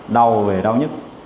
đau về đau nhất